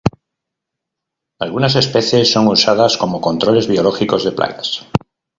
Algunas especies son usadas como controles biológicos de plagas.